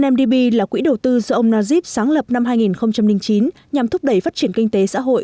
mdb là quỹ đầu tư do ông najib sáng lập năm hai nghìn chín nhằm thúc đẩy phát triển kinh tế xã hội